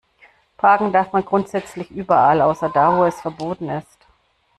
Parken darf man grundsätzlich überall, außer da, wo es verboten ist.